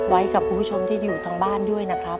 ไว้กับคุณผู้ชมที่อยู่ทางบ้านด้วยนะครับ